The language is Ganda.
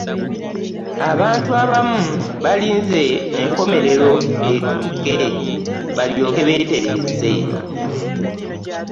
Abantu abamu balinze enkomerero etuuke balyoke beetereeze.